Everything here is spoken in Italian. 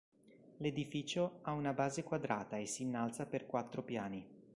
L'edificio ha una base quadrata e si innalza per quattro piani.